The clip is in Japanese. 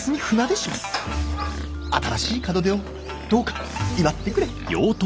新しいかどでをどうか祝ってくれ」。